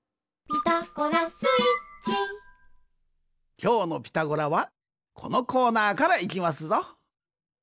きょうの「ピタゴラ」はこのコーナーからいきますぞ。